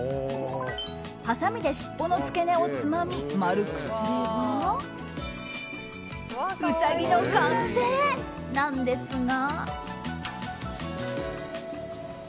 はさみで尻尾の付け根をつまみ丸くすればウサギの完成！なんですが。